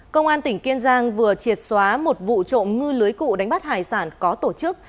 công an tỉnh kiên giang vừa triệt xóa một vụ trộm ngư lưới cụ đánh bắt hải sản có tổ chức